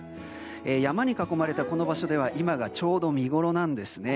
山に囲まれたこの場所では今がちょうど見ごろなんです。